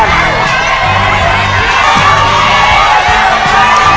กลบ